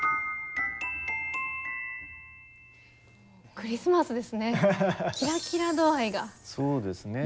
クリスマスですね！